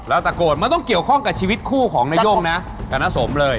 แล้วตะโกนมันต้องเกี่ยวข้องกับชีวิตคู่ของนโย่งนะกับน้าสมเลย